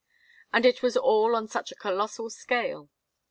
And it was all on such a colossal scale.